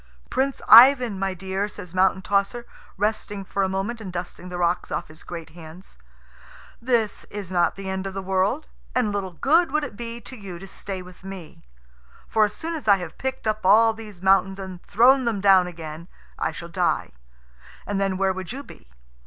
"Prince Ivan, my dear," says Mountain tosser, resting for a moment and dusting the rocks off his great hands, "this is not the end of the world, and little good would it be to you to stay with me. For as soon as I have picked up all these mountains and thrown them down again I shall die, and then where would you be?